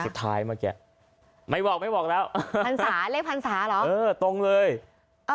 สุดท้ายใหม่แกะ